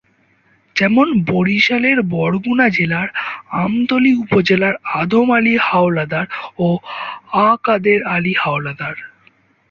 যেমন বরিশালের বরগুনা জেলার আমতলী উপজেলার আদম আলী হাওলাদার ও আ:কাদের আলী হাওলাদার।